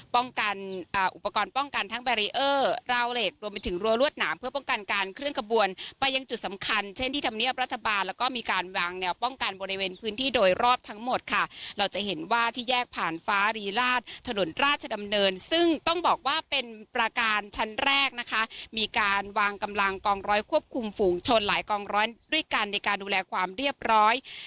ต้องบอกว่าเป็นประการชั้นแรกนะคะมีการวางกำลังกองร้อยควบคุมฝูงชนหลายกองร้อยด้วยกันในการดูแลความเรียบร้อย